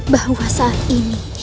bahwa saat ini